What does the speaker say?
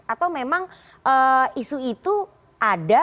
atau memang isu itu ada